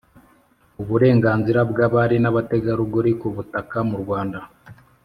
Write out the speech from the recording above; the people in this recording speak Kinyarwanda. uburenganzira bw’abari n’abategarugori ku butaka mu rwanda: